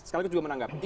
sekaligus juga menanggap